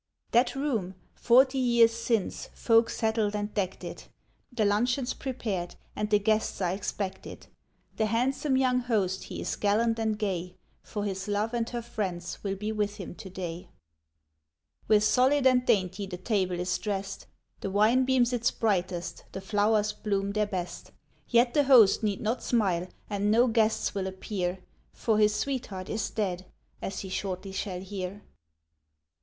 That room, forty years since, folk settled and decked it. The luncheon's prepared, and the guests are expected, The handsome young host he is gallant and gay, For his love and her friends will be with him today. With solid and dainty the table is drest, The wine beams its brightest, the flowers bloom their best; Yet the host need not smile, and no guests will appear, For his sweetheart is dead, as he shortly shall hear.